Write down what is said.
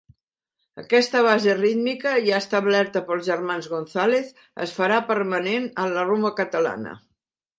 Aquesta base rítmica, ja establerta pels germans González, es farà permanent en la Rumba Catalana.